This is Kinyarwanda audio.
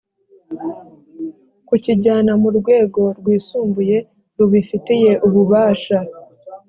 kukijyana mu rwego rwisumbuye rubifitiye ububasha